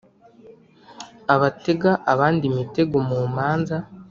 abatega abandi imitego mu manza,